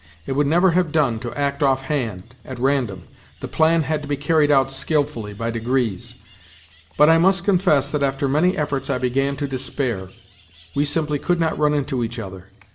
It would never have done to act off hand, at random ; the plan had to be carried out skilfully, by degrees. But I must confess that after many efforts I began to despair : we simply could not run into each other.